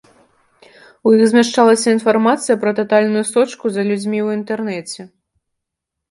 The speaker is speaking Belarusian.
У іх змяшчалася інфармацыя пра татальную сочку за людзьмі ў інтэрнэце.